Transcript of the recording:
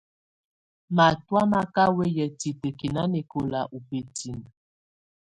Matɔ̀á mà kà wɛya tikǝ́ nanɛkɔla ù bǝtinǝ́.